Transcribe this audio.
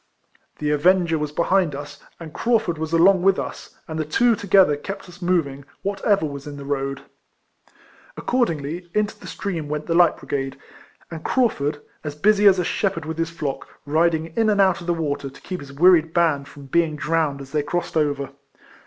The avenger was behind us, and Craufurd was along with us, and the two together kept us moving, whatever was in the road. Accordingly, into the stream went the light brigade, and Craufurd, as busy as a shepherd with his flock, riding in and out of the water, to keep his wearied band from being drowned as they crossed over.